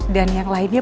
dan yang lainnya